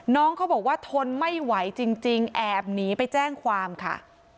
น้องเขาบอกว่าทนไม่ไหวจริงแอบหนีไปแจ้งความค่ะ